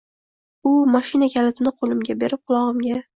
U moshina kalitini qoʻlimga berib, qulogʻimga: